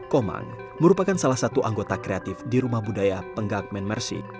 komang merupakan salah satu anggota kreatif di rumah budaya penggak menmersik